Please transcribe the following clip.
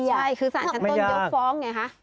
ไม่ยากคือศรษนการจนยกฟ้องไงค่ะ